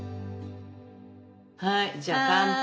はいじゃあ乾杯。